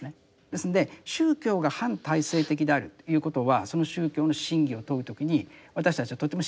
ですんで宗教が反体制的であるということはその宗教の真偽を問う時に私たちはとても慎重に判断しなければならない。